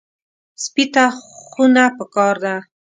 سپي ته خونه پکار ده.